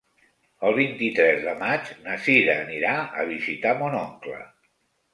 El vint-i-tres de maig na Cira anirà a visitar mon oncle.